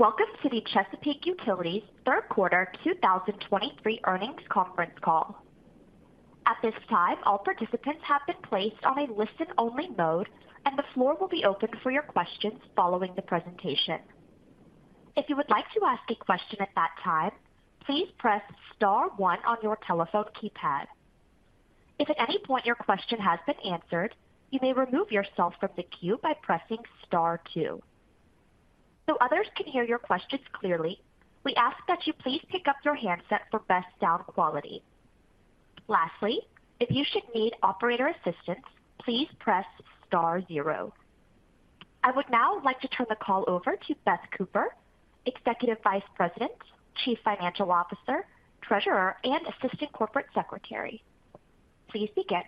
Welcome to the Chesapeake Utilities third quarter 2023 earnings conference call. At this time, all participants have been placed on a listen-only mode, and the floor will be open for your questions following the presentation. If you would like to ask a question at that time, please press star one on your telephone keypad. If at any point your question has been answered, you may remove yourself from the queue by pressing star two. So others can hear your questions clearly, we ask that you please pick up your handset for best sound quality. Lastly, if you should need operator assistance, please press star zero. I would now like to turn the call over to Beth Cooper, Executive Vice President, Chief Financial Officer, Treasurer, and Assistant Corporate Secretary. Please begin.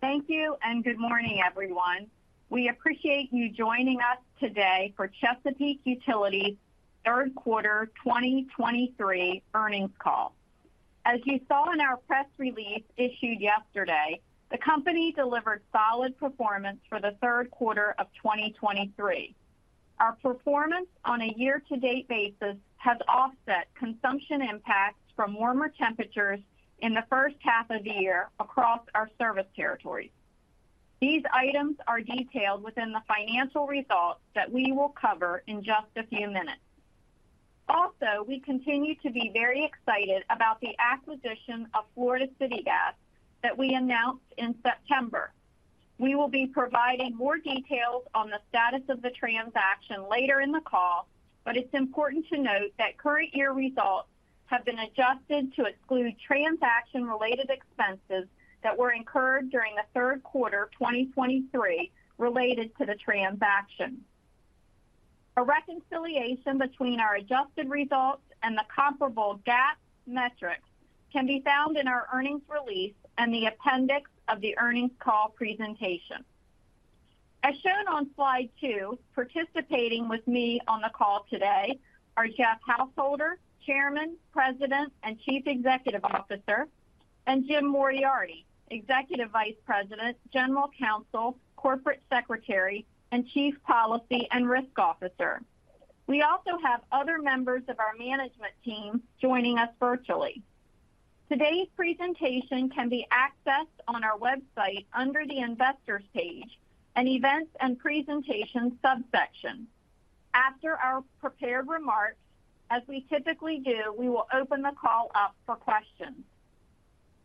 Thank you, and good morning, everyone. We appreciate you joining us today for Chesapeake Utilities' third quarter 2023 earnings call. As you saw in our press release issued yesterday, the company delivered solid performance for the third quarter of 2023. Our performance on a year-to-date basis has offset consumption impacts from warmer temperatures in the first half of the year across our service territories. These items are detailed within the financial results that we will cover in just a few minutes. Also, we continue to be very excited about the acquisition of Florida City Gas that we announced in September. We will be providing more details on the status of the transaction later in the call, but it's important to note that current year results have been adjusted to exclude transaction-related expenses that were incurred during the third quarter of 2023 related to the transaction. A reconciliation between our adjusted results and the comparable GAAP metrics can be found in our earnings release and the appendix of the earnings call presentation. As shown on slide two, participating with me on the call today are Jeff Householder, Chairman, President, and Chief Executive Officer, and Jim Moriarty, Executive Vice President, General Counsel, Corporate Secretary, and Chief Policy and Risk Officer. We also have other members of our management team joining us virtually. Today's presentation can be accessed on our website under the Investors page and Events and Presentation subsection. After our prepared remarks, as we typically do, we will open the call up for questions.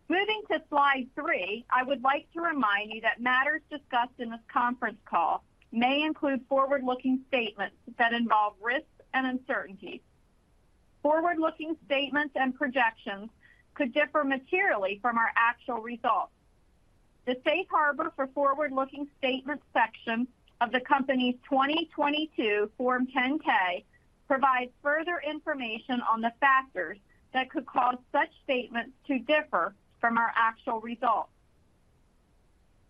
Moving to slide three, I would like to remind you that matters discussed in this conference call may include forward-looking statements that involve risks and uncertainties. Forward-looking statements and projections could differ materially from our actual results. The Safe Harbor for Forward-Looking Statements section of the company's 2022 Form 10-K provides further information on the factors that could cause such statements to differ from our actual results.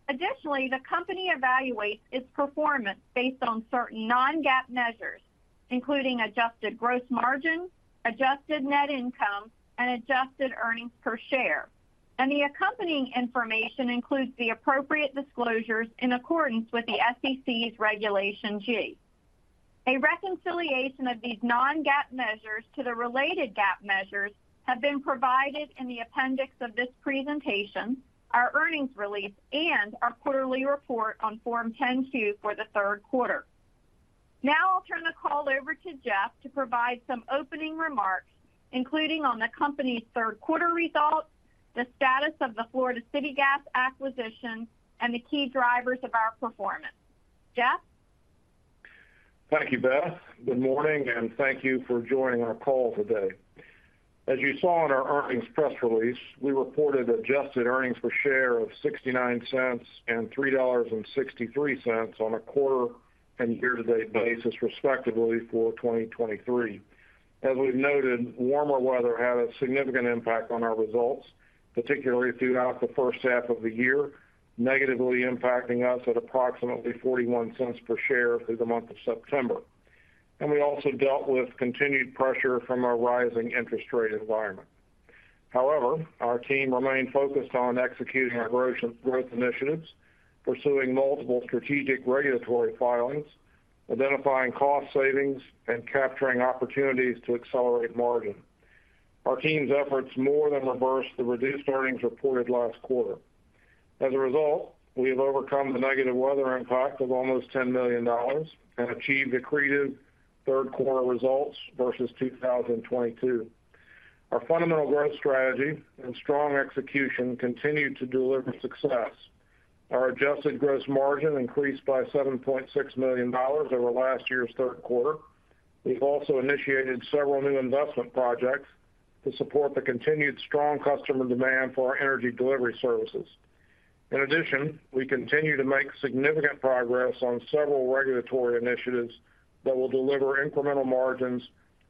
Additionally, the company evaluates its performance based on certain non-GAAP measures, including adjusted gross margin, adjusted net income, and adjusted earnings per share. The accompanying information includes the appropriate disclosures in accordance with the SEC's Regulation G. A reconciliation of these non-GAAP measures to the related GAAP measures have been provided in the appendix of this presentation, our earnings release, and our quarterly report on Form 10-Q for the third quarter. Now I'll turn the call over to Jeff to provide some opening remarks, including on the company's third quarter results, the status of the Florida City Gas acquisition, and the key drivers of our performance. Jeff? Thank you, Beth. Good morning, and thank you for joining our call today. As you saw in our earnings press release, we reported adjusted earnings per share of $0.69 and $3.63 on a quarter and year-to-date basis, respectively, for 2023. As we've noted, warmer weather had a significant impact on our results, particularly throughout the first half of the year, negatively impacting us at approximately $0.41 per share through the month of September. And we also dealt with continued pressure from our rising interest rate environment. However, our team remained focused on executing our growth, growth initiatives, pursuing multiple strategic regulatory filings, identifying cost savings, and capturing opportunities to accelerate margin. Our team's efforts more than reversed the reduced earnings reported last quarter. As a result, we have overcome the negative weather impact of almost $10 million and achieved accretive third quarter results versus 2022. Our fundamental growth strategy and strong execution continued to deliver success. Our adjusted gross margin increased by $7.6 million over last year's third quarter. We've also initiated several new investment projects to support the continued strong customer demand for our energy delivery services. In addition, we continue to make significant progress on several regulatory initiatives that will deliver incremental margins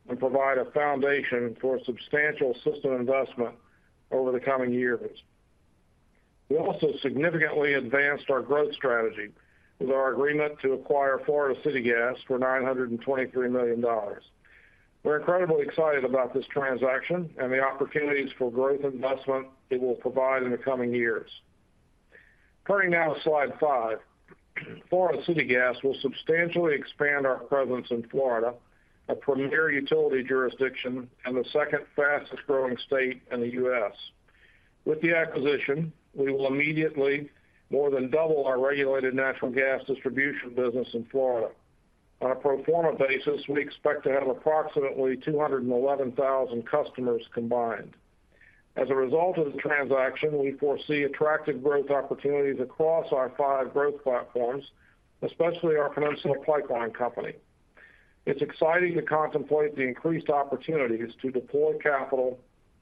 and provide a foundation for substantial system investment over the coming years. We also significantly advanced our growth strategy with our agreement to acquire Florida City Gas for $923 million. We're incredibly excited about this transaction and the opportunities for growth and investment it will provide in the coming years. Turning now to Slide 5. Florida City Gas will substantially expand our presence in Florida, a premier utility jurisdiction and the second fastest growing state in the U.S. With the acquisition, we will immediately more than double our regulated natural gas distribution business in Florida. On a pro forma basis, we expect to have approximately 211,000 customers combined. As a result of the transaction, we foresee attractive growth opportunities across our five growth platforms, especially our Peninsula Pipeline Company. It's exciting to contemplate the increased opportunities to deploy capital,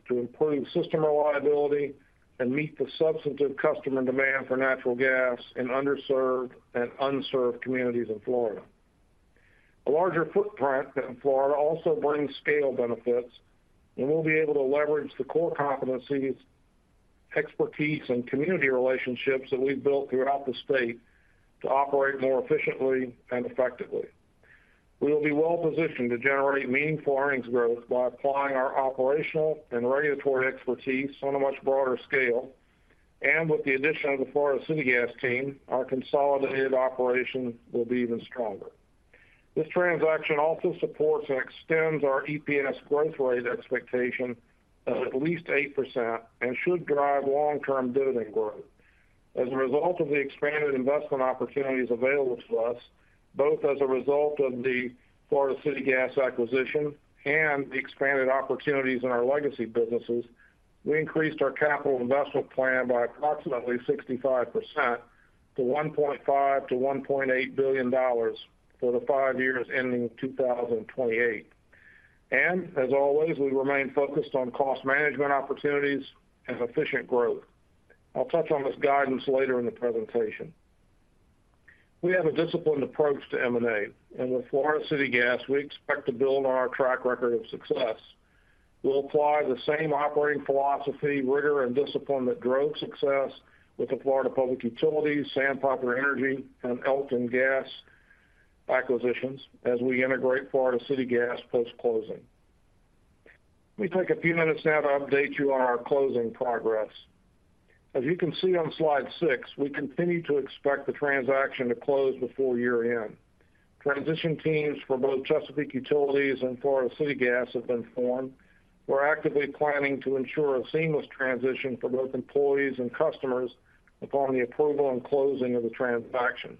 to improve system reliability, and meet the substantive customer demand for natural gas in underserved and unserved communities in Florida. A larger footprint in Florida also brings scale benefits, and we'll be able to leverage the core competencies, expertise, and community relationships that we've built throughout the state to operate more efficiently and effectively. We will be well positioned to generate meaningful earnings growth by applying our operational and regulatory expertise on a much broader scale, and with the addition of the Florida City Gas team, our consolidated operation will be even stronger. This transaction also supports and extends our EPS growth rate expectation of at least 8% and should drive long-term dividend growth. As a result of the expanded investment opportunities available to us, both as a result of the Florida City Gas acquisition and the expanded opportunities in our legacy businesses, we increased our capital investment plan by approximately 65% to $1.5 billion-$1.8 billion for the five years ending 2028. As always, we remain focused on cost management opportunities and efficient growth. I'll touch on this guidance later in the presentation. We have a disciplined approach to M&A, and with Florida City Gas, we expect to build on our track record of success. We'll apply the same operating philosophy, rigor, and discipline that drove success with the Florida Public Utilities, Sandpiper Energy, and Elkton Gas acquisitions as we integrate Florida City Gas post-closing. Let me take a few minutes now to update you on our closing progress. As you can see on Slide 6, we continue to expect the transaction to close before year-end. Transition teams for both Chesapeake Utilities and Florida City Gas have been formed. We're actively planning to ensure a seamless transition for both employees and customers upon the approval and closing of the transaction.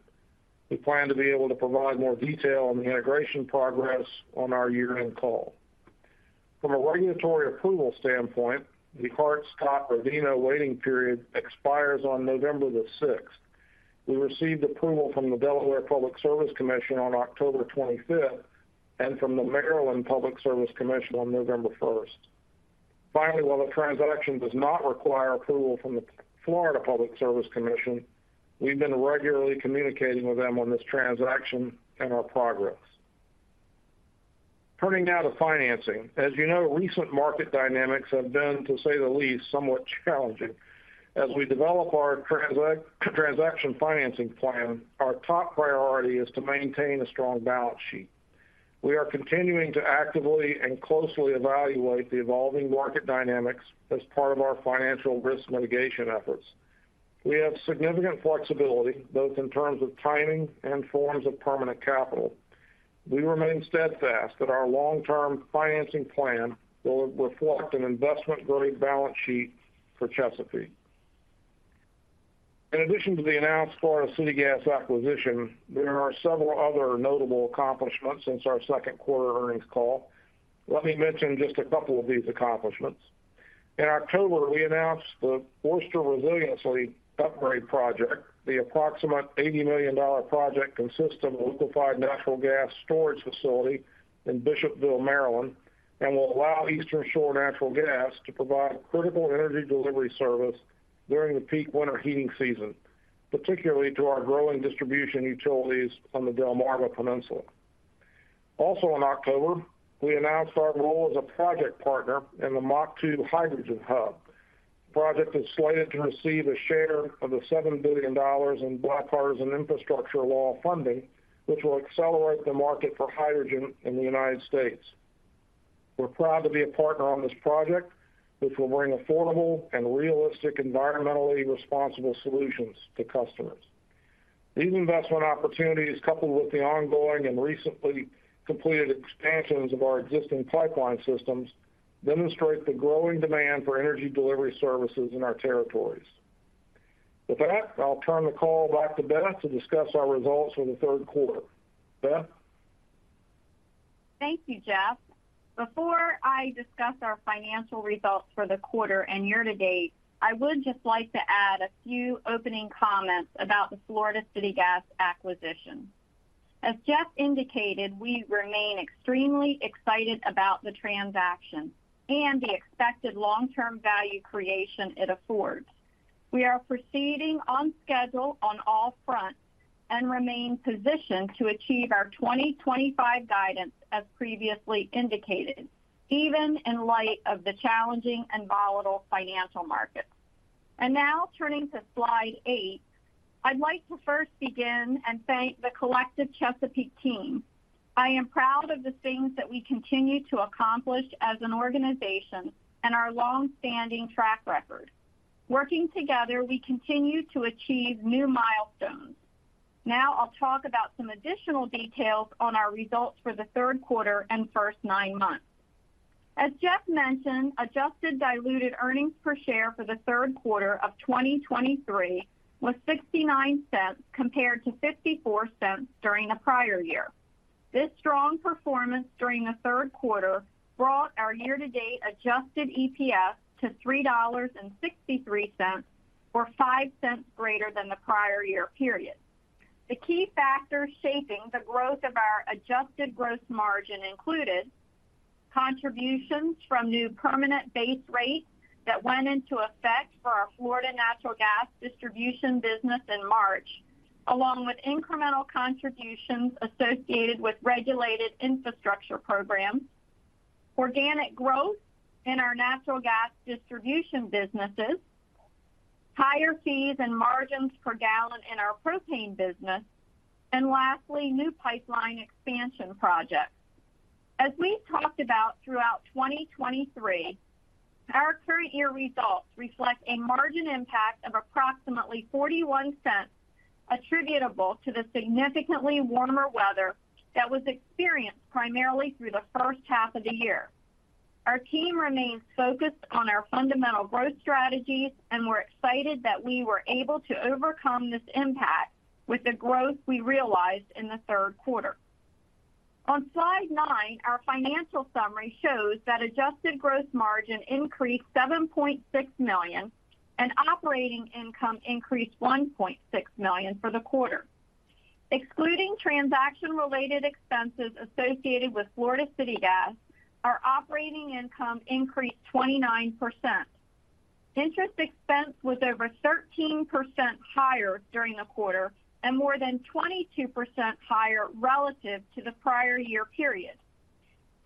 We plan to be able to provide more detail on the integration progress on our year-end call. From a regulatory approval standpoint, the Hart-Scott-Rodino waiting period expires on November 6. We received approval from the Delaware Public Service Commission on October 25th, and from the Maryland Public Service Commission on November 1st. Finally, while the transaction does not require approval from the Florida Public Service Commission, we've been regularly communicating with them on this transaction and our progress. Turning now to financing. As you know, recent market dynamics have been, to say the least, somewhat challenging. As we develop our transaction financing plan, our top priority is to maintain a strong balance sheet. We are continuing to actively and closely evaluate the evolving market dynamics as part of our financial risk mitigation efforts. We have significant flexibility, both in terms of timing and forms of permanent capital. We remain steadfast that our long-term financing plan will reflect an investment-grade balance sheet for Chesapeake. In addition to the announced Florida City Gas acquisition, there are several other notable accomplishments since our second quarter earnings call. Let me mention just a couple of these accomplishments. In October, we announced the Oyster Resiliency Upgrade Project. The approximate $80 million project consists of a liquefied natural gas storage facility in Bishopville, Maryland, and will allow Eastern Shore Natural Gas to provide critical energy delivery service during the peak winter heating season, particularly to our growing distribution utilities on the Delmarva Peninsula. Also, in October, we announced our role as a project partner in the MACH 2 Hydrogen Hub. The project is slated to receive a share of the $7 billion in Bipartisan Infrastructure Law funding, which will accelerate the market for hydrogen in the United States. We're proud to be a partner on this project, which will bring affordable and realistic, environmentally responsible solutions to customers. These investment opportunities, coupled with the ongoing and recently completed expansions of our existing pipeline systems, demonstrate the growing demand for energy delivery services in our territories. With that, I'll turn the call back to Beth to discuss our results for the third quarter. Beth? Thank you, Jeff. Before I discuss our financial results for the quarter and year to date, I would just like to add a few opening comments about the Florida City Gas acquisition. As Jeff indicated, we remain extremely excited about the transaction and the expected long-term value creation it affords. We are proceeding on schedule on all fronts and remain positioned to achieve our 2025 guidance as previously indicated, even in light of the challenging and volatile financial markets. Now turning to Slide 8... I'd like to first begin and thank the collective Chesapeake team. I am proud of the things that we continue to accomplish as an organization and our long-standing track record. Working together, we continue to achieve new milestones. Now I'll talk about some additional details on our results for the third quarter and first nine months. As Jeff mentioned, adjusted diluted earnings per share for the third quarter of 2023 was $0.69, compared to $0.54 during the prior year. This strong performance during the third quarter brought our year-to-date adjusted EPS to $3.63, or $0.05 greater than the prior year period. The key factors shaping the growth of our adjusted gross margin included: contributions from new permanent base rates that went into effect for our Florida natural gas distribution business in March, along with incremental contributions associated with regulated infrastructure programs, organic growth in our natural gas distribution businesses, higher fees and margins per gallon in our propane business, and lastly, new pipeline expansion projects. As we've talked about throughout 2023, our current year results reflect a margin impact of approximately $0.41, attributable to the significantly warmer weather that was experienced primarily through the first half of the year. Our team remains focused on our fundamental growth strategies, and we're excited that we were able to overcome this impact with the growth we realized in the third quarter. On slide 9, our financial summary shows that adjusted gross margin increased $7.6 million, and operating income increased $1.6 million for the quarter. Excluding transaction-related expenses associated with Florida City Gas, our operating income increased 29%. Interest expense was over 13% higher during the quarter and more than 22% higher relative to the prior year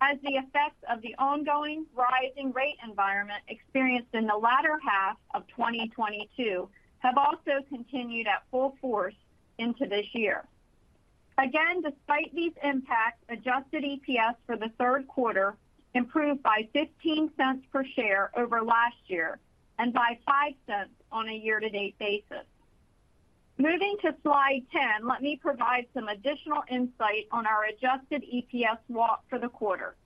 period, as the effects of the ongoing rising rate environment experienced in the latter half of 2022 have also continued at full force into this year. Again, despite these impacts, adjusted EPS for the third quarter improved by $0.15 per share over last year and by $0.05 on a year-to-date basis. Moving to slide 10, let me provide some additional insight on our adjusted EPS walk for the quarter.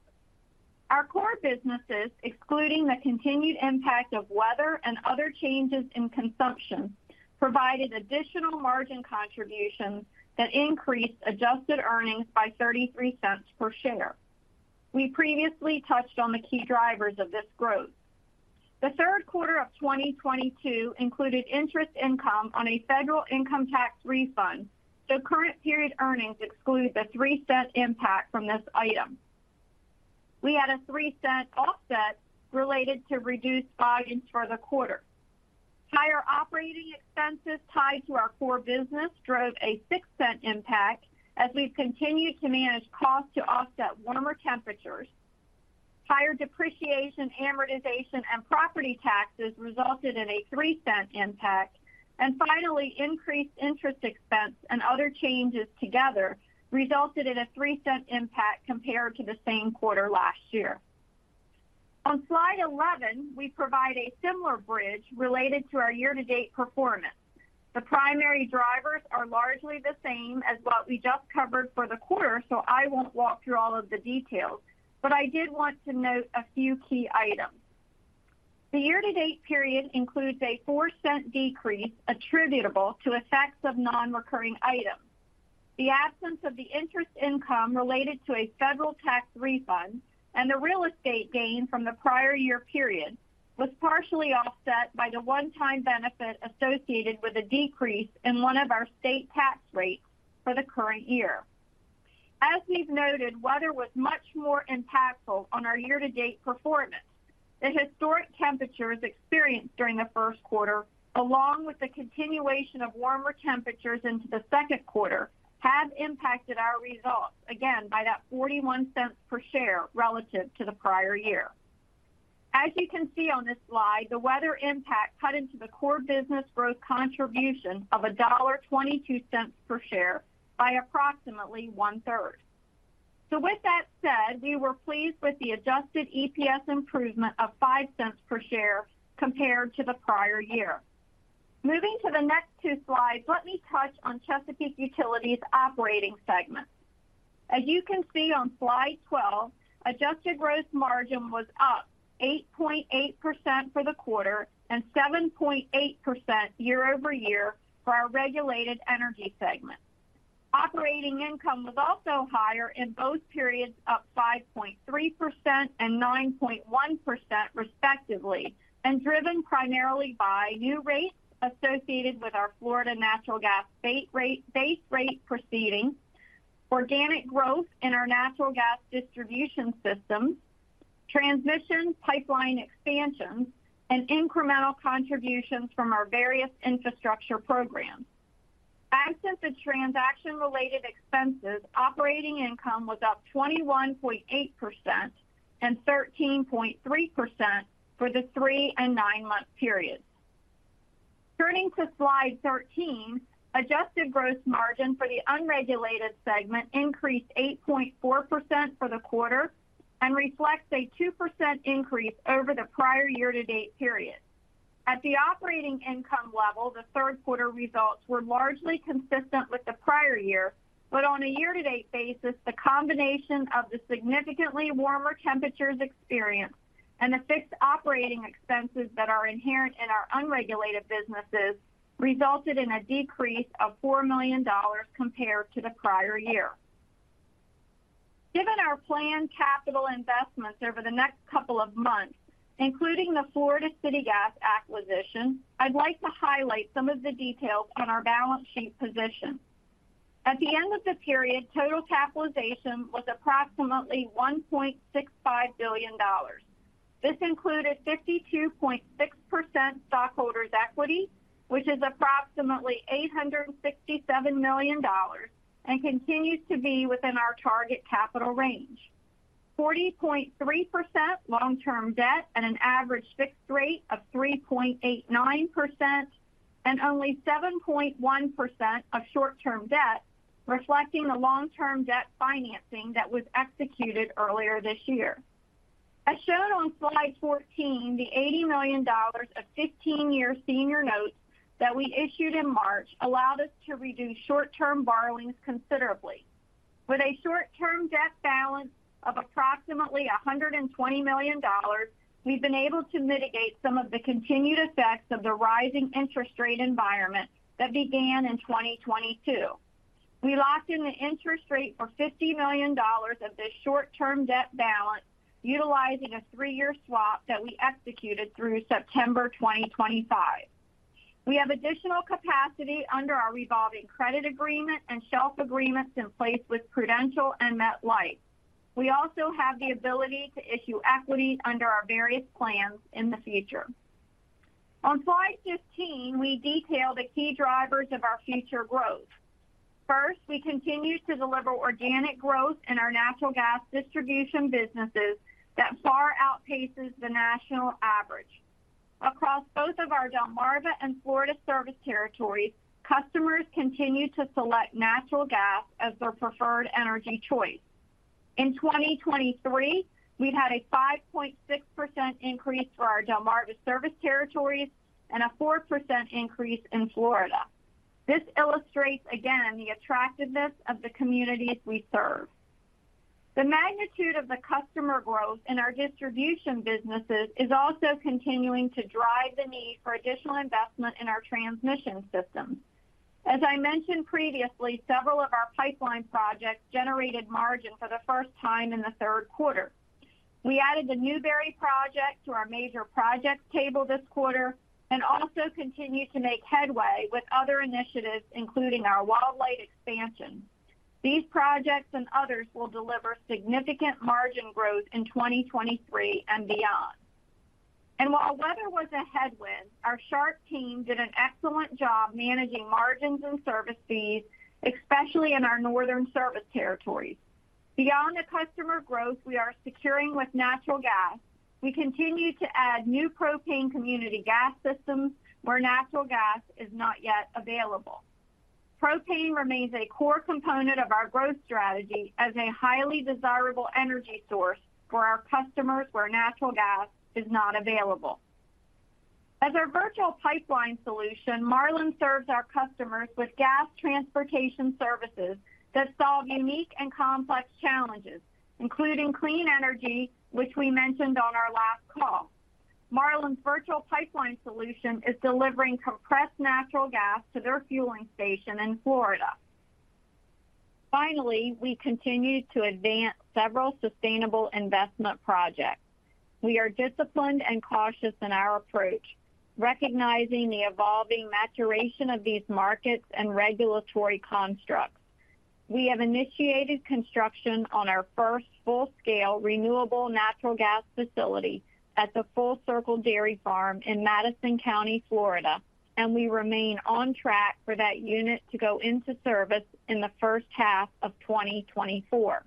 Our core businesses, excluding the continued impact of weather and other changes in consumption, provided additional margin contributions that increased adjusted earnings by $0.33 per share. We previously touched on the key drivers of this growth. The third quarter of 2022 included interest income on a federal income tax refund, so current period earnings exclude the $0.03 impact from this item. We had a $0.03 offset related to reduced volumes for the quarter. Higher operating expenses tied to our core business drove a $0.06 impact as we've continued to manage costs to offset warmer temperatures. Higher depreciation, amortization, and property taxes resulted in a $0.03 impact. And finally, increased interest expense and other changes together resulted in a $0.03 impact compared to the same quarter last year. On slide 11, we provide a similar bridge related to our year-to-date performance. The primary drivers are largely the same as what we just covered for the quarter, so I won't walk through all of the details, but I did want to note a few key items. The year-to-date period includes a $0.04 decrease attributable to effects of non-recurring items. The absence of the interest income related to a federal tax refund and the real estate gain from the prior year period was partially offset by the one-time benefit associated with a decrease in one of our state tax rates for the current year. As we've noted, weather was much more impactful on our year-to-date performance. The historic temperatures experienced during the first quarter, along with the continuation of warmer temperatures into the second quarter, have impacted our results, again, by that $0.41 per share relative to the prior year. As you can see on this slide, the weather impact cut into the core business growth contribution of a $1.22 per share by approximately one-third. So with that said, we were pleased with the adjusted EPS improvement of $0.05 per share compared to the prior year. Moving to the next two slides, let me touch on Chesapeake Utilities' operating segment. As you can see on slide 12, adjusted gross margin was up 8.8% for the quarter and 7.8% year-over-year for our regulated energy segment. Operating income was also higher in both periods, up 5.3% and 9.1% respectively, and driven primarily by new rates associated with our Florida natural gas rate rate-base rate proceedings, organic growth in our natural gas distribution system, transmission pipeline expansions, and incremental contributions from our various infrastructure programs.... Ex the transaction-related expenses, operating income was up 21.8% and 13.3% for the three and nine-month periods. Turning to slide 13, adjusted gross margin for the unregulated segment increased 8.4% for the quarter and reflects a 2% increase over the prior year-to-date period. At the operating income level, the third quarter results were largely consistent with the prior year, but on a year-to-date basis, the combination of the significantly warmer temperatures experienced and the fixed operating expenses that are inherent in our unregulated businesses, resulted in a decrease of $4 million compared to the prior year. Given our planned capital investments over the next couple of months, including the Florida City Gas acquisition, I'd like to highlight some of the details on our balance sheet position. At the end of the period, total capitalization was approximately $1.65 billion. This included 52.6% stockholders' equity, which is approximately $867 million, and continues to be within our target capital range. 40.3% long-term debt at an average fixed rate of 3.89%, and only 7.1% of short-term debt, reflecting the long-term debt financing that was executed earlier this year. As shown on slide 14, the $80 million of 15-year senior notes that we issued in March allowed us to reduce short-term borrowings considerably. With a short-term debt balance of approximately $120 million, we've been able to mitigate some of the continued effects of the rising interest rate environment that began in 2022. We locked in the interest rate for $50 million of this short-term debt balance, utilizing a 3-year swap that we executed through September 2025. We have additional capacity under our revolving credit agreement and shelf agreements in place with Prudential and MetLife. We also have the ability to issue equity under our various plans in the future. On slide 15, we detail the key drivers of our future growth. First, we continue to deliver organic growth in our natural gas distribution businesses that far outpaces the national average. Across both of our Delmarva and Florida service territories, customers continue to select natural gas as their preferred energy choice. In 2023, we've had a 5.6% increase for our Delmarva service territories and a 4% increase in Florida. This illustrates again the attractiveness of the communities we serve. The magnitude of the customer growth in our distribution businesses is also continuing to drive the need for additional investment in our transmission system. As I mentioned previously, several of our pipeline projects generated margin for the first time in the third quarter. We added the Newberry project to our major projects table this quarter, and also continued to make headway with other initiatives, including our Wildlight expansion. These projects and others will deliver significant margin growth in 2023 and beyond. While weather was a headwind, our Sharp team did an excellent job managing margins and service fees, especially in our northern service territories. Beyond the customer growth we are securing with natural gas, we continue to add new propane community gas systems where natural gas is not yet available. Propane remains a core component of our growth strategy as a highly desirable energy source for our customers where natural gas is not available. As our virtual pipeline solution, Marlin serves our customers with gas transportation services that solve unique and complex challenges, including clean energy, which we mentioned on our last call. Marlin's virtual pipeline solution is delivering compressed natural gas to their fueling station in Florida. Finally, we continue to advance several sustainable investment projects. We are disciplined and cautious in our approach, recognizing the evolving maturation of these markets and regulatory constructs. We have initiated construction on our first full-scale renewable natural gas facility at the Full Circle Dairy Farm in Madison County, Florida, and we remain on track for that unit to go into service in the first half of 2024.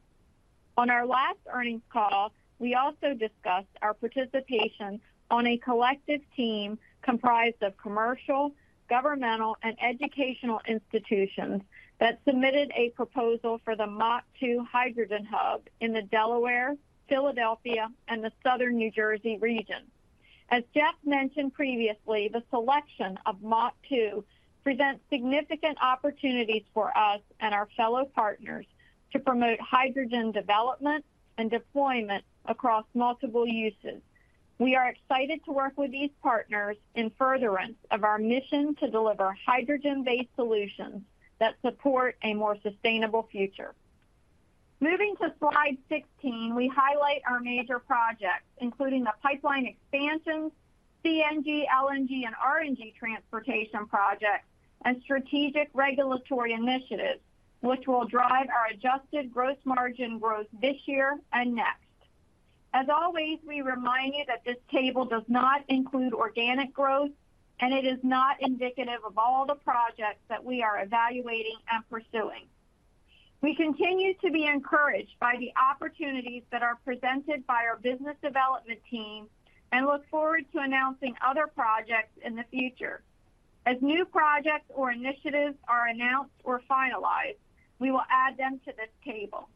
On our last earnings call, we also discussed our participation on a collective team comprised of commercial, governmental, and educational institutions that submitted a proposal for the MACH 2 Hydrogen Hub in the Delaware, Philadelphia, and Southern New Jersey region. As Jeff mentioned previously, the selection of MACH 2 presents significant opportunities for us and our fellow partners to promote hydrogen development and deployment across multiple uses. We are excited to work with these partners in furtherance of our mission to deliver hydrogen-based solutions that support a more sustainable future. Moving to slide 16, we highlight our major projects, including the pipeline expansions, CNG, LNG, and RNG transportation projects, and strategic regulatory initiatives, which will drive our adjusted gross margin growth this year and next. As always, we remind you that this table does not include organic growth, and it is not indicative of all the projects that we are evaluating and pursuing. We continue to be encouraged by the opportunities that are presented by our business development team, and look forward to announcing other projects in the future. As new projects or initiatives are announced or finalized, we will add them to this table.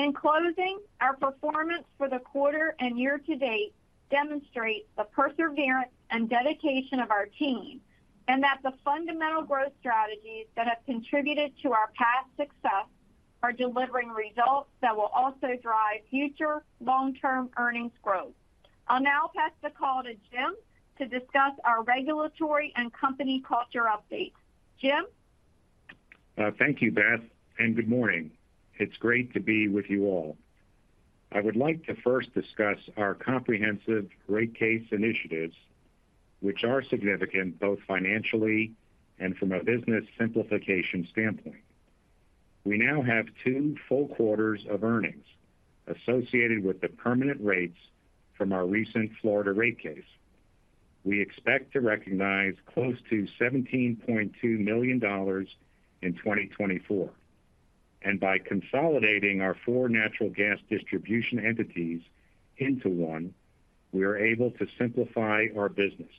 In closing, our performance for the quarter and year-to-date demonstrate the perseverance and dedication of our team, and that the fundamental growth strategies that have contributed to our past success are delivering results that will also drive future long-term earnings growth. I'll now pass the call to Jim to discuss our regulatory and company culture updates. Jim? Thank you, Beth, and good morning. It's great to be with you all. I would like to first discuss our comprehensive rate case initiatives, which are significant both financially and from a business simplification standpoint. We now have two full quarters of earnings associated with the permanent rates from our recent Florida rate case. We expect to recognize close to $17.2 million in 2024, and by consolidating our four natural gas distribution entities into one, we are able to simplify our business.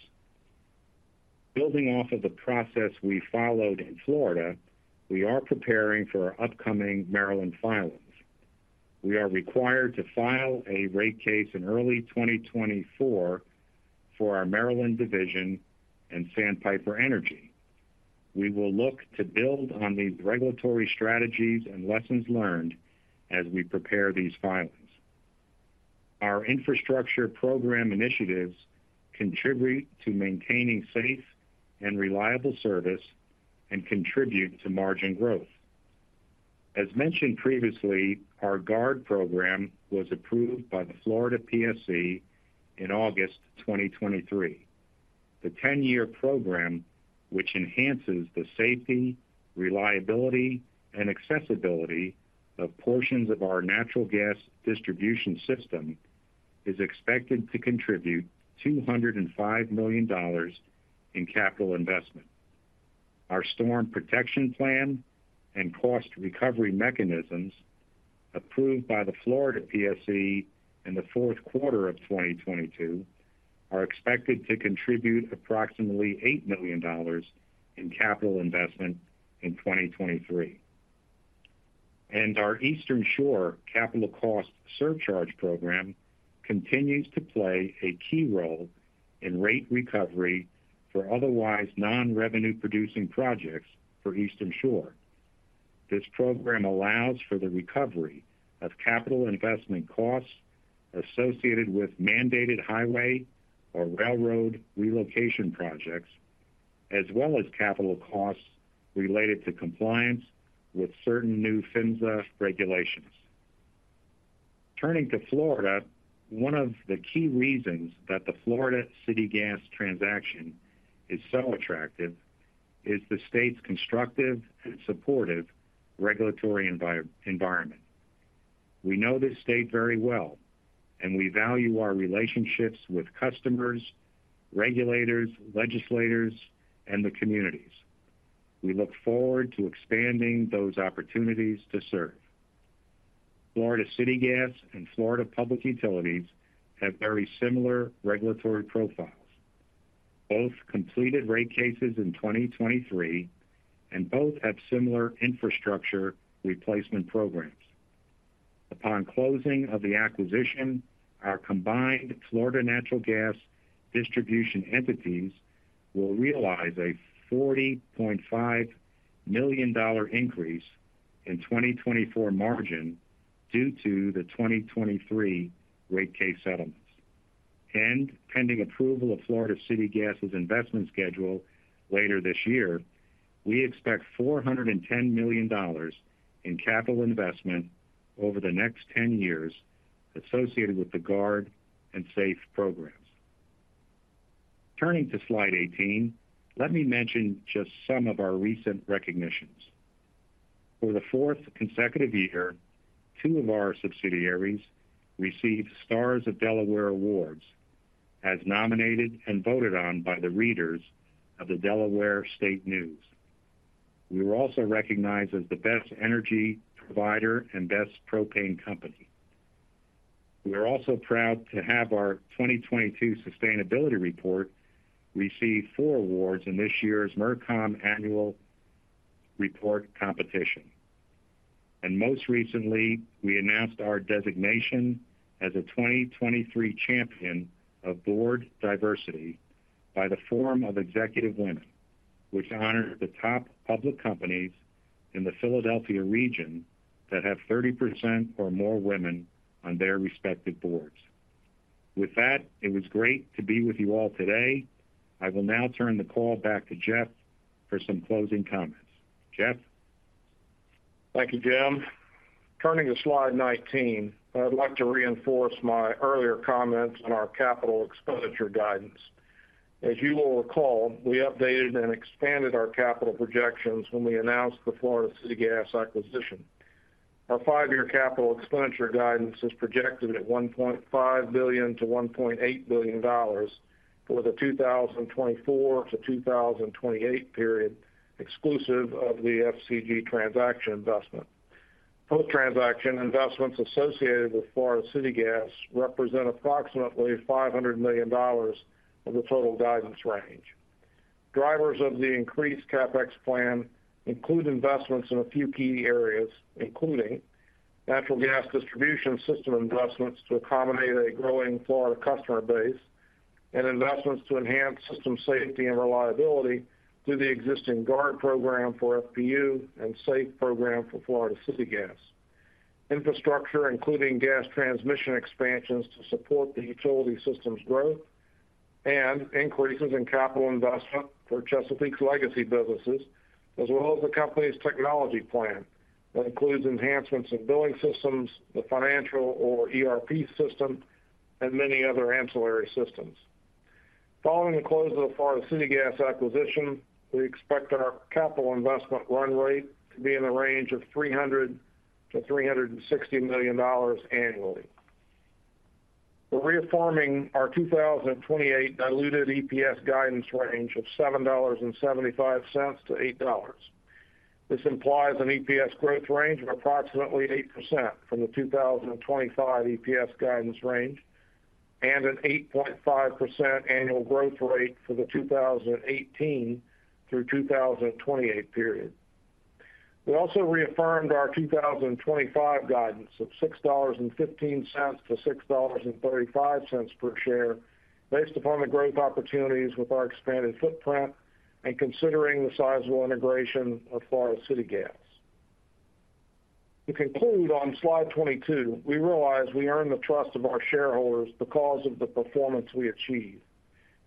Building off of the process we followed in Florida, we are preparing for our upcoming Maryland filings. We are required to file a rate case in early 2024 for our Maryland division and Sandpiper Energy. We will look to build on these regulatory strategies and lessons learned as we prepare these filings. Our infrastructure program initiatives contribute to maintaining safe and reliable service and contribute to margin growth. As mentioned previously, our GUARD program was approved by the Florida PSC in August 2023. The 10-year program, which enhances the safety, reliability, and accessibility of portions of our natural gas distribution system, is expected to contribute $205 million in capital investment. Our Storm Protection Plan and cost recovery mechanisms, approved by the Florida PSC in the fourth quarter of 2022, are expected to contribute approximately $8 million in capital investment in 2023. Our Eastern Shore Capital Cost Surcharge program continues to play a key role in rate recovery for otherwise non-revenue-producing projects for Eastern Shore. This program allows for the recovery of capital investment costs associated with mandated highway or railroad relocation projects, as well as capital costs related to compliance with certain new PHMSA regulations. Turning to Florida, one of the key reasons that the Florida City Gas transaction is so attractive is the state's constructive and supportive regulatory environment. We know this state very well, and we value our relationships with customers, regulators, legislators, and the communities. We look forward to expanding those opportunities to serve. Florida City Gas and Florida Public Utilities have very similar regulatory profiles. Both completed rate cases in 2023, and both have similar infrastructure replacement programs. Upon closing of the acquisition, our combined Florida Natural Gas distribution entities will realize a $40.5 million increase in 2024 margin due to the 2023 rate case settlements. Pending approval of Florida City Gas's investment schedule later this year, we expect $410 million in capital investment over the next 10 years associated with the GUARD and SAFE programs. Turning to slide 18, let me mention just some of our recent recognitions. For the fourth consecutive year, two of our subsidiaries received Stars of Delaware awards, as nominated and voted on by the readers of the Delaware State News. We were also recognized as the best energy provider and best propane company. We are also proud to have our 2022 sustainability report receive four awards in this year's MerComm Annual Report Competition. Most recently, we announced our designation as a 2023 Champion of Board Diversity by the Forum of Executive Women, which honored the top public companies in the Philadelphia region that have 30% or more women on their respective boards. With that, it was great to be with you all today. I will now turn the call back to Jeff for some closing comments. Jeff? Thank you, Jim. Turning to slide 19, I'd like to reinforce my earlier comments on our capital expenditure guidance. As you will recall, we updated and expanded our capital projections when we announced the Florida City Gas acquisition. Our five-year capital expenditure guidance is projected at $1.5 billion-$1.8 billion for the 2024-2028 period, exclusive of the FCG transaction investment. Post-transaction investments associated with Florida City Gas represent approximately $500 million of the total guidance range. Drivers of the increased CapEx plan include investments in a few key areas, including natural gas distribution system investments to accommodate a growing Florida customer base, and investments to enhance system safety and reliability through the existing GUARD program for FPU and SAFE program for Florida City Gas. Infrastructure, including gas transmission expansions to support the utility systems growth and increases in capital investment for Chesapeake's legacy businesses, as well as the company's technology plan, that includes enhancements in billing systems, the financial or ERP system, and many other ancillary systems. Following the close of the Florida City Gas acquisition, we expect our capital investment run rate to be in the range of $300-$360 million annually. We're reaffirming our 2028 diluted EPS guidance range of $7.75-$8. This implies an EPS growth range of approximately 8% from the 2025 EPS guidance range, and an 8.5% annual growth rate for the 2018 through 2028 period. We also reaffirmed our 2025 guidance of $6.15-$6.35 per share, based upon the growth opportunities with our expanded footprint and considering the sizable integration of Florida City Gas. To conclude, on slide 22, we realize we earn the trust of our shareholders because of the performance we achieve,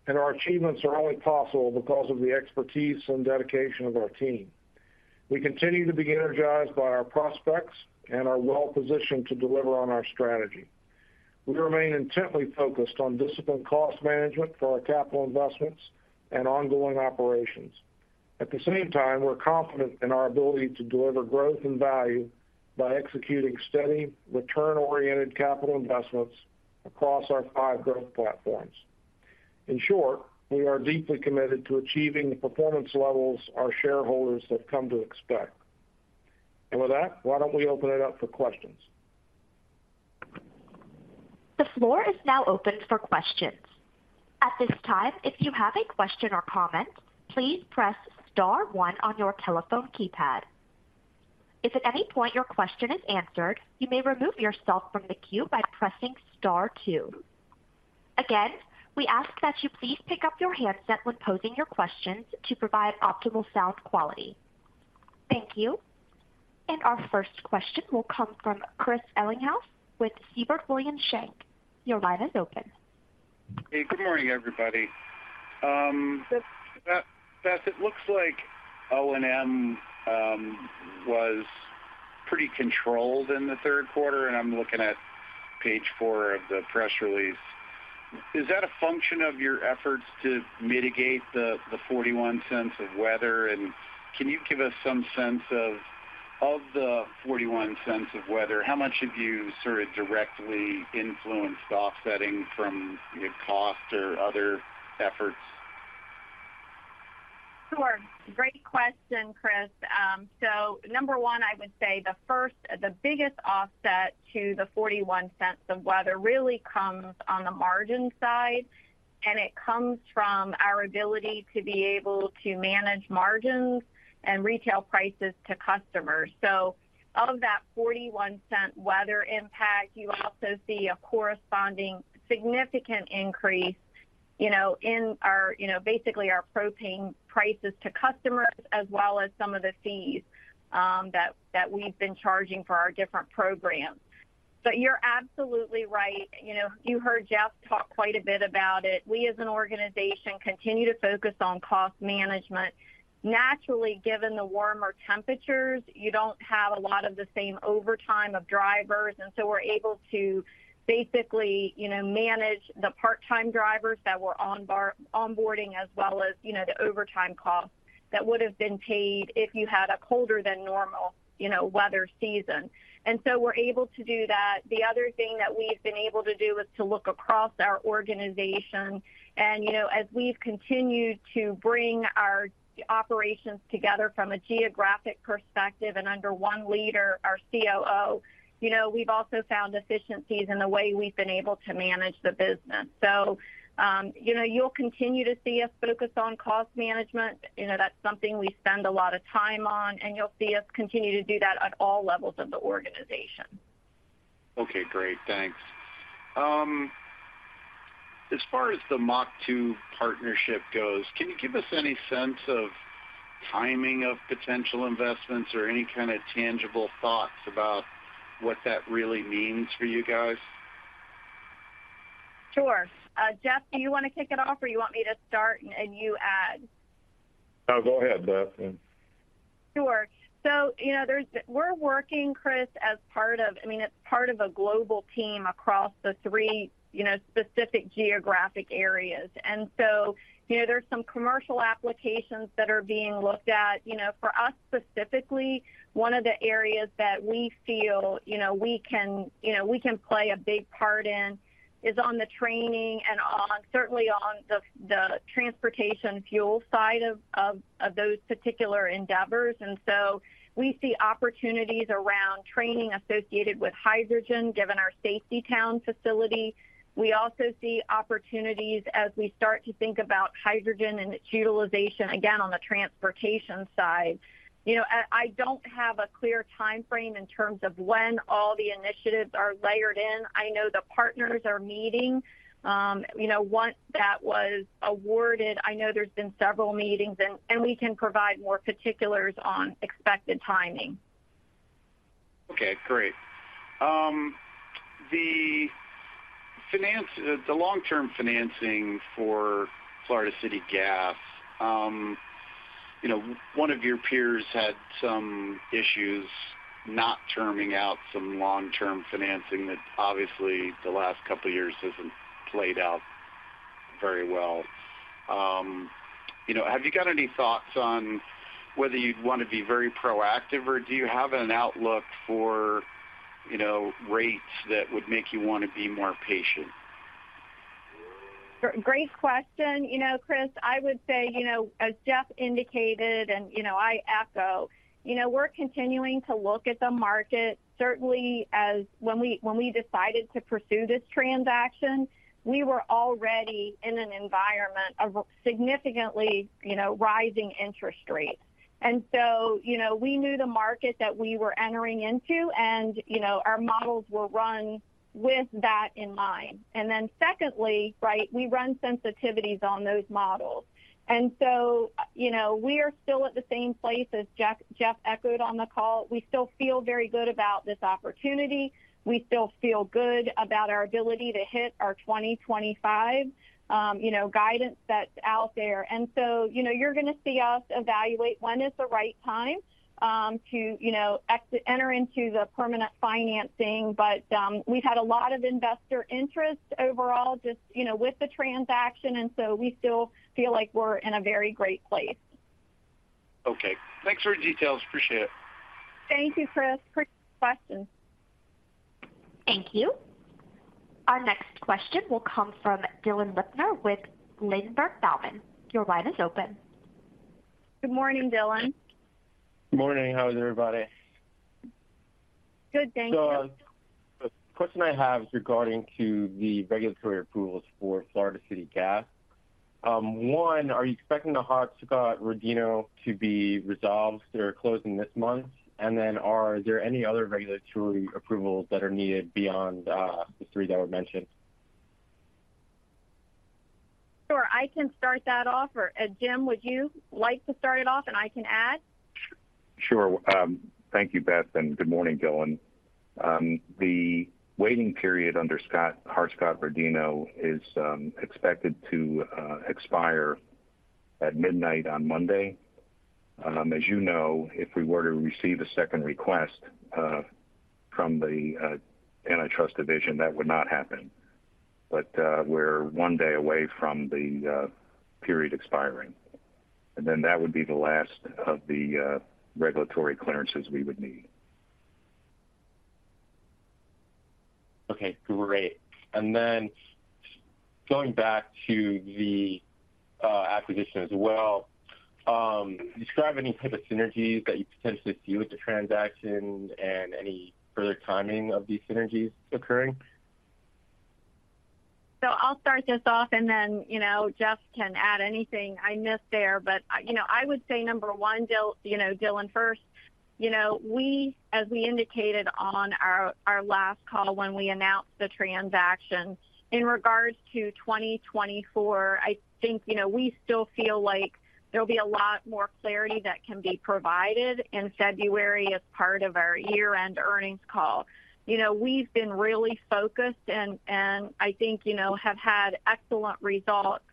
and our achievements are only possible because of the expertise and dedication of our team. We continue to be energized by our prospects and are well positioned to deliver on our strategy. We remain intently focused on disciplined cost management for our capital investments and ongoing operations. At the same time, we're confident in our ability to deliver growth and value by executing steady, return-oriented capital investments across our five growth platforms. In short, we are deeply committed to achieving the performance levels our shareholders have come to expect. With that, why don't we open it up for questions? The floor is now open for questions. At this time, if you have a question or comment, please press star one on your telephone keypad. If at any point your question is answered, you may remove yourself from the queue by pressing star two. Again, we ask that you please pick up your handset when posing your questions to provide optimal sound quality. Thank you. Our first question will come from Chris Ellinghaus with Siebert Williams Shank. Your line is open. Hey, good morning, everybody. Beth, Beth, it looks like O&M was pretty controlled in the third quarter, and I'm looking at page 4 of the press release. Is that a function of your efforts to mitigate the $0.41 of weather? And can you give us some sense of the $0.41 of weather, how much have you sort of directly influenced offsetting from your cost or other efforts? Sure. Great question, Chris. So number one, I would say the biggest offset to the $0.41 of weather really comes on the margin side, and it comes from our ability to be able to manage margins and retail prices to customers. So of that $0.41 weather impact, you also see a corresponding significant increase, you know, in our, you know, basically our propane prices to customers, as well as some of the fees that we've been charging for our different programs. But you're absolutely right. You know, you heard Jeff talk quite a bit about it. We, as an organization, continue to focus on cost management. Naturally, given the warmer temperatures, you don't have a lot of the same overtime of drivers, and so we're able to basically, you know, manage the part-time drivers that we're onboarding, as well as, you know, the overtime costs that would have been paid if you had a colder than normal, you know, weather season. So we're able to do that. The other thing that we've been able to do is to look across our organization. You know, as we've continued to bring our operations together from a geographic perspective and under one leader, our COO, you know, we've also found efficiencies in the way we've been able to manage the business. You know, you'll continue to see us focus on cost management. You know, that's something we spend a lot of time on, and you'll see us continue to do that at all levels of the organization. Okay, great. Thanks. As far as the MACH 2 partnership goes, can you give us any sense of timing of potential investments or any kind of tangible thoughts about what that really means for you guys? Sure. Jeff, do you want to kick it off, or you want me to start and, and you add?... Oh, go ahead, Beth, and Sure. So, you know, there's we're working, Chris, as part of I mean, it's part of a global team across the three, you know, specific geographic areas. And so, you know, there's some commercial applications that are being looked at. You know, for us, specifically, one of the areas that we feel, you know, we can, you know, we can play a big part in is on the training and on, certainly on the transportation fuel side of those particular endeavors. And so we see opportunities around training associated with hydrogen, given our Safety Town facility. We also see opportunities as we start to think about hydrogen and its utilization, again, on the transportation side. You know, I don't have a clear timeframe in terms of when all the initiatives are layered in. I know the partners are meeting, you know, once that was awarded, I know there's been several meetings and we can provide more particulars on expected timing. Okay, great. The long-term financing for Florida City Gas, you know, one of your peers had some issues not terming out some long-term financing that obviously, the last couple of years hasn't played out very well. You know, have you got any thoughts on whether you'd want to be very proactive, or do you have an outlook for, you know, rates that would make you want to be more patient? Great question. You know, Chris, I would say, you know, as Jeff indicated, and, you know, I echo, you know, we're continuing to look at the market. Certainly, as when we, when we decided to pursue this transaction, we were already in an environment of significantly, you know, rising interest rates. And so, you know, we knew the market that we were entering into, and, you know, our models were run with that in mind. And then secondly, right, we run sensitivities on those models. And so, you know, we are still at the same place as Jeff, Jeff echoed on the call. We still feel very good about this opportunity. We still feel good about our ability to hit our 2025, you know, guidance that's out there. And so, you know, you're going to see us evaluate when is the right time to, you know, enter into the permanent financing. But, we've had a lot of investor interest overall, just, you know, with the transaction, and so we still feel like we're in a very great place. Okay. Thanks for the details. Appreciate it. Thank you, Chris, for your question. Thank you. Our next question will come from Dylan Lipner with Ladenburg Thalmann. Your line is open. Good morning, Dylan. Good morning. How is everybody? Good, thank you. The question I have is regarding the regulatory approvals for Florida City Gas. One, are you expecting the Hart-Scott-Rodino to be resolved or closing this month? And then are there any other regulatory approvals that are needed beyond the three that were mentioned? Sure, I can start that off, or, Jim, would you like to start it off and I can add? Sure. Thank you, Beth, and good morning, Dylan. The waiting period under Hart-Scott-Rodino is expected to expire at midnight on Monday. As you know, if we were to receive a second request from the antitrust division, that would not happen. But we're one day away from the period expiring, and then that would be the last of the regulatory clearances we would need. Okay, great. And then going back to the acquisition as well, describe any type of synergies that you potentially see with the transaction and any further timing of these synergies occurring? So I'll start this off, and then, you know, Jeff can add anything I missed there. But, you know, I would say number one, Dylan, first, you know, we, as we indicated on our, our last call when we announced the transaction, in regards to 2024, I think, you know, we still feel like there'll be a lot more clarity that can be provided in February as part of our year-end earnings call. You know, we've been really focused and, and I think, you know, have had excellent results,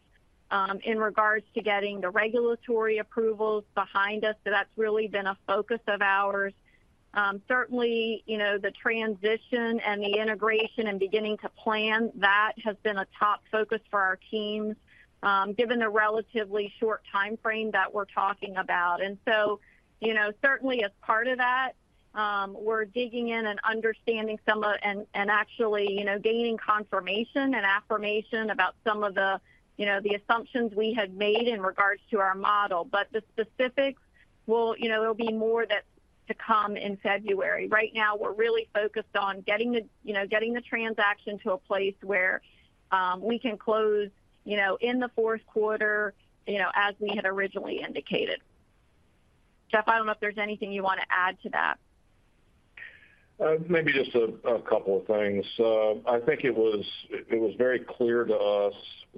in regards to getting the regulatory approvals behind us. So that's really been a focus of ours. Certainly, you know, the transition and the integration and beginning to plan, that has been a top focus for our teams, given the relatively short timeframe that we're talking about. And so, you know, certainly as part of that, we're digging in and understanding some of and, and actually, you know, gaining confirmation and affirmation about some of the, you know, the assumptions we had made in regards to our model. But the specifics will, you know, there'll be more that to come in February. Right now, we're really focused on getting the, you know, getting the transaction to a place where we can close, you know, in the fourth quarter, you know, as we had originally indicated. Jeff, I don't know if there's anything you want to add to that. Maybe just a couple of things. I think it was very clear to us,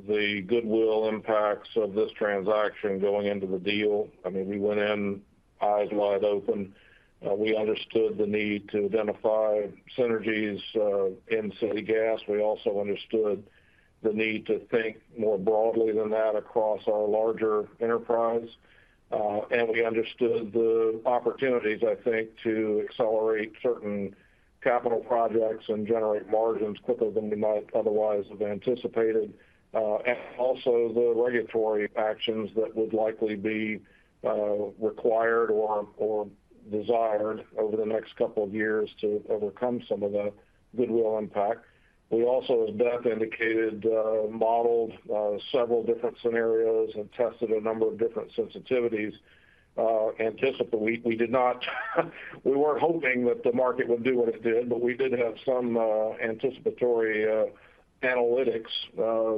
the goodwill impacts of this transaction going into the deal. I mean, we went in eyes wide open. We understood the need to identify synergies in City Gas. We also understood the need to think more broadly than that across our larger enterprise. And we understood the opportunities, I think, to accelerate certain capital projects and generate margins quicker than we might otherwise have anticipated, and also the regulatory actions that would likely be required or desired over the next couple of years to overcome some of the goodwill impact. We also, as Beth indicated, modeled several different scenarios and tested a number of different sensitivities, anticipate. We did not, we weren't hoping that the market would do what it did, but we did have some anticipatory analytics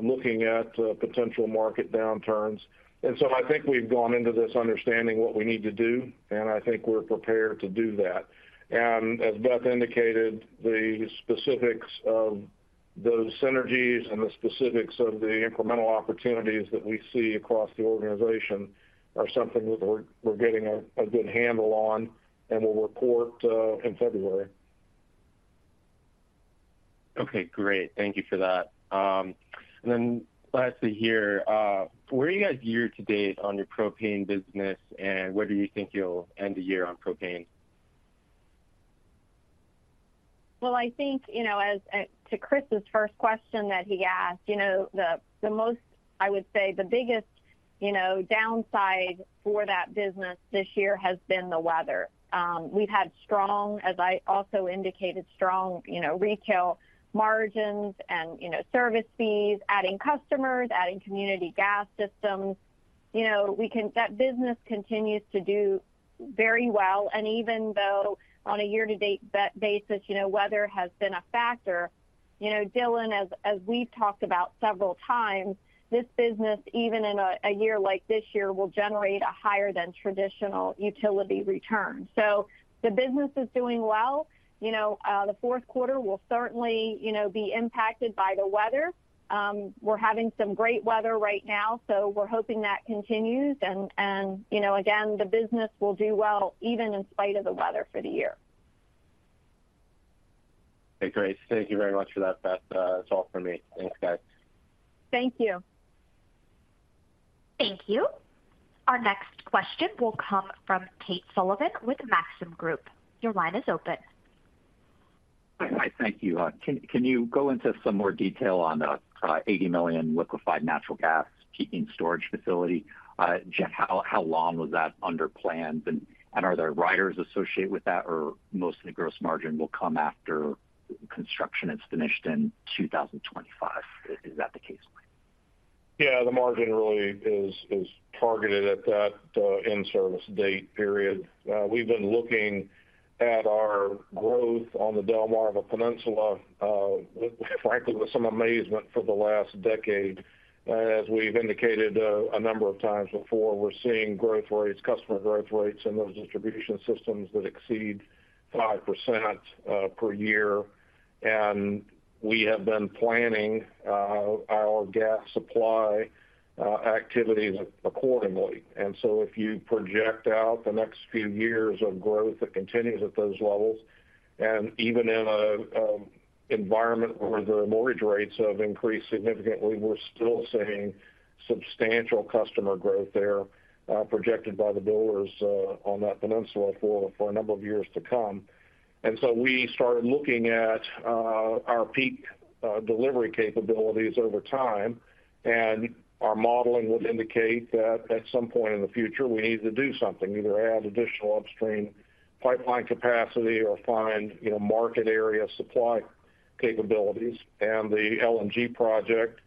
looking at potential market downturns. And so I think we've gone into this understanding what we need to do, and I think we're prepared to do that. And as Beth indicated, the specifics of those synergies and the specifics of the incremental opportunities that we see across the organization are something that we're getting a good handle on and will report in February. Okay, great. Thank you for that. And then lastly here, where are you guys year to date on your propane business, and where do you think you'll end the year on propane? Well, I think, you know, as to Chris's first question that he asked, you know, the most, I would say, the biggest, you know, downside for that business this year has been the weather. We've had strong, as I also indicated, strong, you know, retail margins and, you know, service fees, adding customers, adding community gas systems. You know, that business continues to do very well, and even though on a year-to-date basis, you know, weather has been a factor, you know, Dylan, as we've talked about several times, this business, even in a year like this year, will generate a higher than traditional utility return. So the business is doing well. You know, the fourth quarter will certainly, you know, be impacted by the weather. We're having some great weather right now, so we're hoping that continues. You know, again, the business will do well, even in spite of the weather for the year. Okay, great. Thank you very much for that, Beth. That's all for me. Thanks, guys. Thank you. Thank you. Our next question will come from Tate Sullivan with Maxim Group. Your line is open. Hi, thank you. Can you go into some more detail on the $80 million liquefied natural gas peaking storage facility? Just how long was that under plan, and are there riders associated with that, or most of the gross margin will come after construction is finished in 2025? Is that the case? Yeah, the margin really is targeted at that in-service date period. We've been looking at our growth on the Delmarva Peninsula, frankly, with some amazement for the last decade. As we've indicated a number of times before, we're seeing growth rates, customer growth rates, in those distribution systems that exceed 5% per year, and we have been planning our gas supply activities accordingly. So if you project out the next few years of growth that continues at those levels, and even in a environment where the mortgage rates have increased significantly, we're still seeing substantial customer growth there projected by the builders on that peninsula for a number of years to come. And so we started looking at our peak delivery capabilities over time, and our modeling would indicate that at some point in the future, we need to do something, either add additional upstream pipeline capacity or find, you know, market area supply capabilities. And the LNG project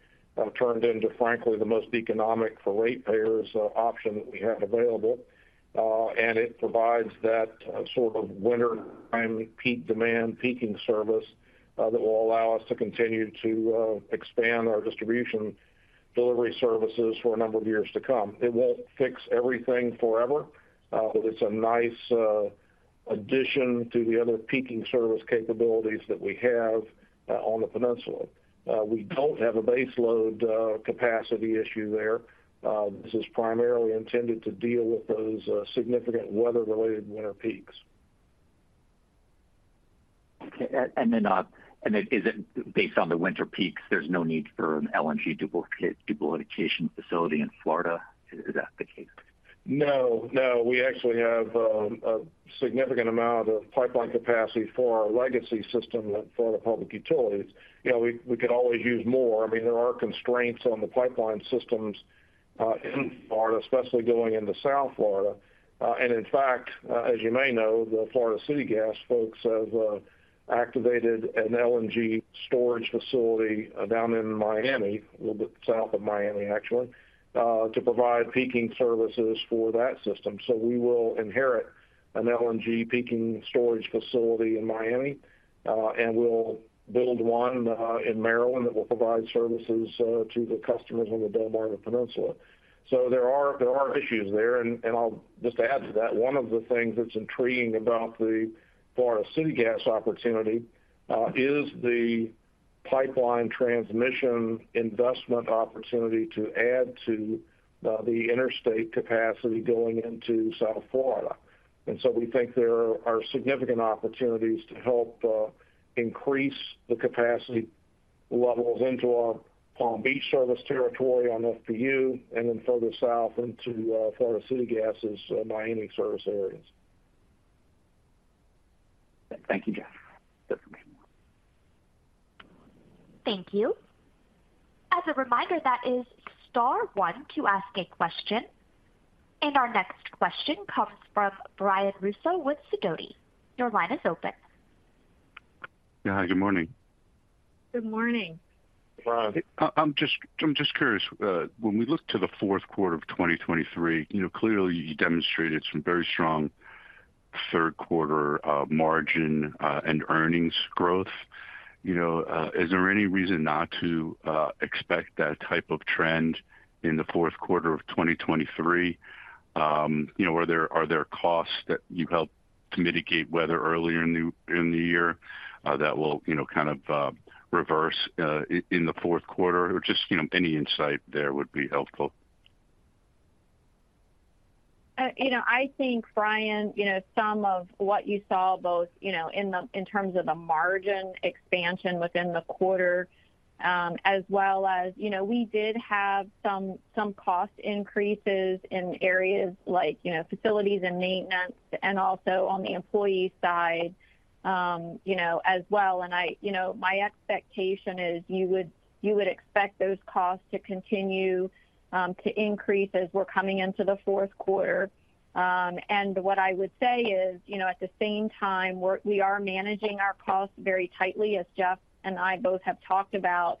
turned into, frankly, the most economic for ratepayers option that we had available. And it provides that sort of winter prime peak demand, peaking service that will allow us to continue to expand our distribution delivery services for a number of years to come. It won't fix everything forever, but it's a nice addition to the other peaking service capabilities that we have on the peninsula. We don't have a baseload capacity issue there. This is primarily intended to deal with those significant weather-related winter peaks. Okay, and then is it based on the winter peaks, there's no need for an LNG duplication facility in Florida? Is that the case? No, no. We actually have a significant amount of pipeline capacity for our legacy system for the public utilities. You know, we, we could always use more. I mean, there are constraints on the pipeline systems in Florida, especially going into South Florida. And in fact, as you may know, the Florida City Gas folks have activated an LNG storage facility down in Miami, a little bit south of Miami, actually, to provide peaking services for that system. So we will inherit an LNG peaking storage facility in Miami, and we'll build one in Maryland that will provide services to the customers on the Delmarva Peninsula. So there are, there are issues there. And, and I'll just add to that, one of the things that's intriguing about the Florida City Gas opportunity is the pipeline transmission investment opportunity to add to, the interstate capacity going into South Florida. And so we think there are significant opportunities to help, increase the capacity levels into our Palm Beach service territory on FPU, and then further south into, Florida City Gas's Miami service areas. Thank you, Jeff. Thank you. As a reminder, that is star one to ask a question. Our next question comes from Brian Russo with Sidoti. Your line is open. Yeah, hi, good morning. Good morning. Brian, I'm just curious, when we look to the fourth quarter of 2023, you know, clearly you demonstrated some very strong third quarter margin and earnings growth. You know, is there any reason not to expect that type of trend in the fourth quarter of 2023? You know, are there costs that you helped to mitigate weather earlier in the year that will, you know, kind of reverse in the fourth quarter? Or just, you know, any insight there would be helpful. You know, I think, Brian, you know, some of what you saw, both, you know, in terms of the margin expansion within the quarter, as well as, you know, we did have some cost increases in areas like, you know, facilities and maintenance, and also on the employee side, you know, as well. And I, you know, my expectation is you would expect those costs to continue to increase as we're coming into the fourth quarter. And what I would say is, you know, at the same time, we are managing our costs very tightly, as Jeff and I both have talked about,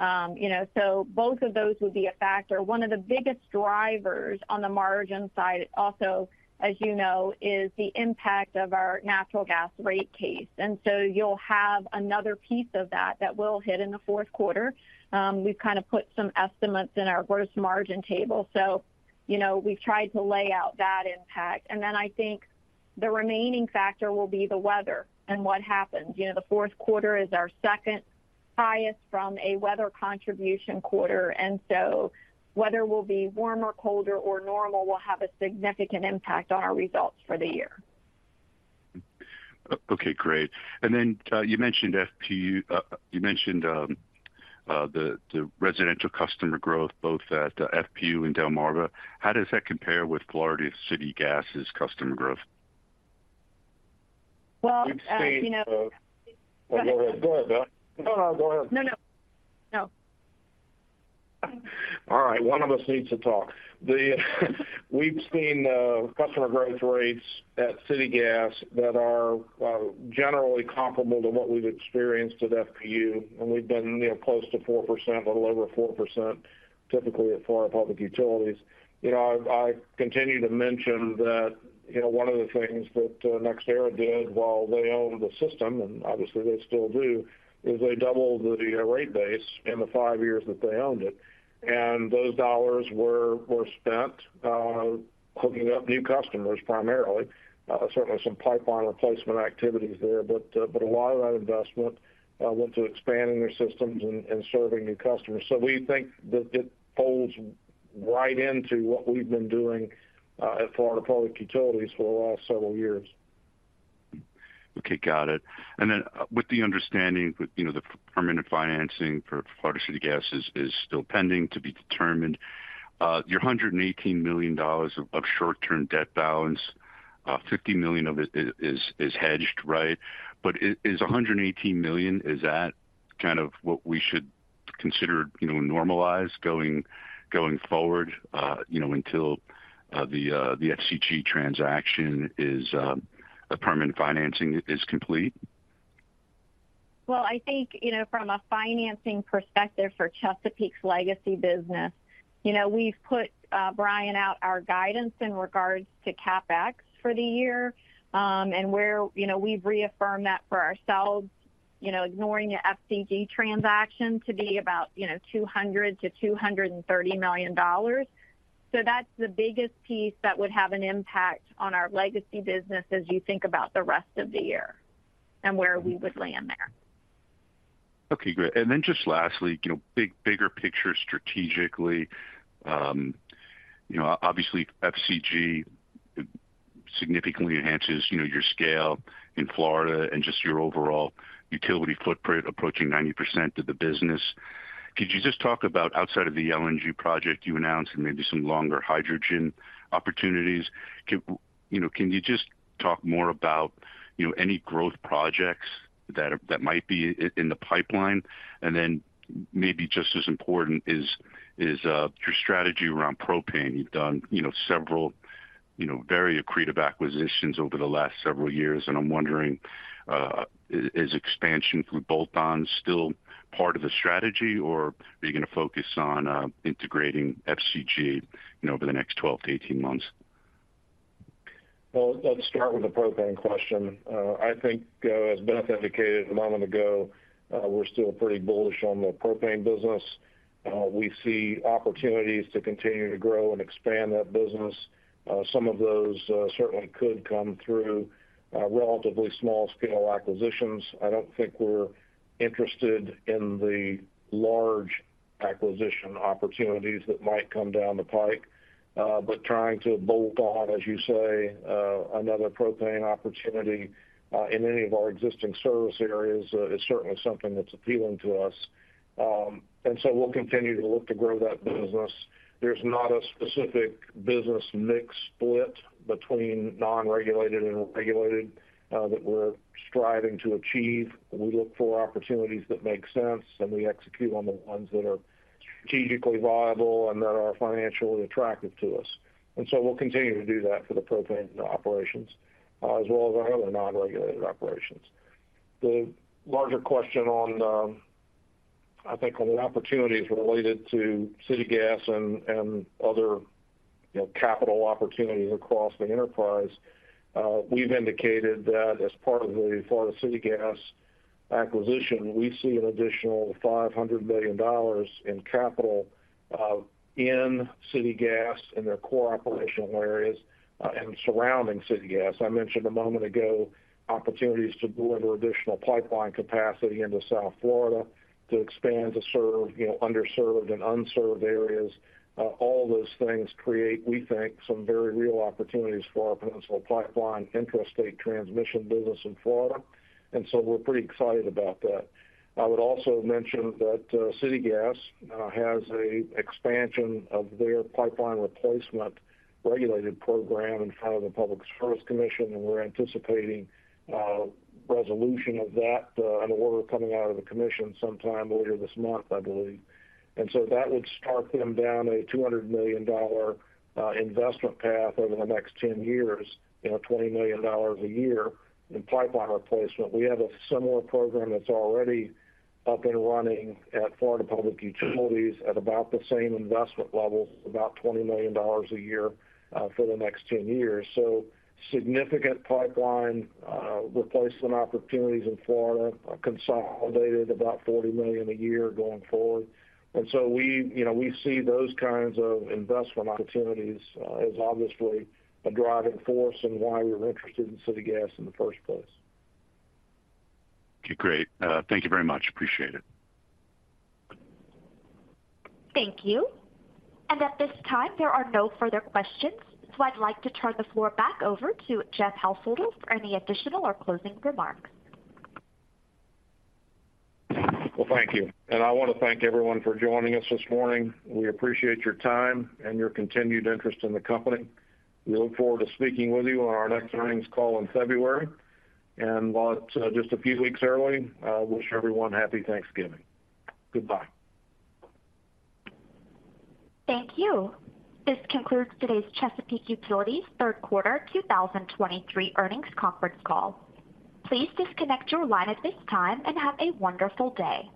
you know, so both of those would be a factor. One of the biggest drivers on the margin side, also, as you know, is the impact of our natural gas rate case. And so you'll have another piece of that, that will hit in the fourth quarter. We've kind of put some estimates in our gross margin table. So, you know, we've tried to lay out that impact. And then I think the remaining factor will be the weather and what happens. You know, the fourth quarter is our second highest from a weather contribution quarter, and so weather will be warmer, colder, or normal, will have a significant impact on our results for the year. Okay, great. And then, you mentioned FPU, the residential customer growth, both at FPU and Delmarva. How does that compare with Florida City Gas's customer growth? Well, you know- We've seen, Go ahead. No, no, go ahead, Beth. No, no. No. All right, one of us needs to talk. We've seen customer growth rates at City Gas that are generally comparable to what we've experienced at FPU, and we've been, you know, close to 4%, a little over 4%, typically at Florida Public Utilities. You know, I continue to mention that, you know, one of the things that NextEra did while they owned the system, and obviously they still do, is they doubled the rate base in the five years that they owned it. And those dollars were spent hooking up new customers, primarily. Certainly some pipeline replacement activities there, but a lot of that investment went to expanding their systems and serving new customers. So we think that it folds right into what we've been doing at Florida Public Utilities for the last several years. Okay, got it. And then with the understanding that, you know, the permanent financing for Florida City Gas is still pending to be determined, your $118 million of short-term debt balance, $50 million of it is hedged, right? But is $118 million, is that kind of what we should consider, you know, normalized going forward, you know, until the permanent financing is complete? Well, I think, you know, from a financing perspective for Chesapeake's legacy business, you know, we've put, Brian, out our guidance in regards to CapEx for the year, and where, you know, we've reaffirmed that for ourselves, you know, ignoring the FCG transaction to be about, you know, $200 million-$230 million. So that's the biggest piece that would have an impact on our legacy business as you think about the rest of the year and where we would land there. Okay, great. And then just lastly, you know, bigger picture strategically, you know, obviously, FCG significantly enhances, you know, your scale in Florida and just your overall utility footprint, approaching 90% of the business. Could you just talk about outside of the LNG project you announced and maybe some longer hydrogen opportunities, you know, can you just talk more about, you know, any growth projects that might be in the pipeline? And then maybe just as important is your strategy around propane. You've done, you know, several, you know, very accretive acquisitions over the last several years, and I'm wondering, is expansion from bolt-on still part of the strategy, or are you going to focus on integrating FCG, you know, over the next 12-18 months? Well, let's start with the propane question. I think, as Beth indicated a moment ago, we're still pretty bullish on the propane business. We see opportunities to continue to grow and expand that business. Some of those certainly could come through relatively small scale acquisitions. I don't think we're interested in the large acquisition opportunities that might come down the pike. But trying to bolt on, as you say, another propane opportunity in any of our existing service areas is certainly something that's appealing to us. And so we'll continue to look to grow that business. There's not a specific business mix split between non-regulated and regulated that we're striving to achieve. We look for opportunities that make sense, and we execute on the ones that are strategically viable and that are financially attractive to us. And so we'll continue to do that for the propane operations, as well as our other non-regulated operations. The larger question on, I think on the opportunities related to City Gas and, and other, you know, capital opportunities across the enterprise, we've indicated that as part of the Florida City Gas acquisition, we see an additional $500 million in capital, in City Gas, in their core operational areas, and surrounding City Gas. I mentioned a moment ago, opportunities to deliver additional pipeline capacity into South Florida to expand, to serve, you know, underserved and unserved areas. All those things create, we think, some very real opportunities for our Peninsula Pipeline intrastate transmission business in Florida, and so we're pretty excited about that. I would also mention that, City Gas, has a expansion of their pipeline replacement regulated program in front of the Public Service Commission, and we're anticipating, resolution of that, an order coming out of the commission sometime later this month, I believe. And so that would start them down a $200 million investment path over the next 10 years, you know, $20 million a year in pipeline replacement. We have a similar program that's already up and running at Florida Public Utilities at about the same investment level, about $20 million a year, for the next 10 years. So significant pipeline, replacement opportunities in Florida, consolidated about $40 million a year going forward. And so we, you know, we see those kinds of investment opportunities as obviously a driving force in why we were interested in City Gas in the first place. Okay, great. Thank you very much. Appreciate it. Thank you. At this time, there are no further questions, so I'd like to turn the floor back over to Jeff Householder for any additional or closing remarks. Well, thank you. I want to thank everyone for joining us this morning. We appreciate your time and your continued interest in the company. We look forward to speaking with you on our next earnings call in February. Well, just a few weeks early, I wish everyone happy Thanksgiving. Goodbye. Thank you. This concludes today's Chesapeake Utilities third quarter 2023 earnings conference call. Please disconnect your line at this time and have a wonderful day.